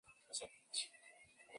El vive aun en mi mente y mi corazón.